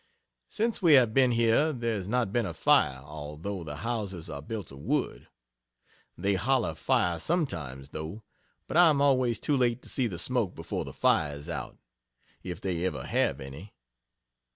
Since we have been here there has not been a fire although the houses are built of wood. They "holler" fire sometimes, though, but I am always too late to see the smoke before the fire is out, if they ever have any.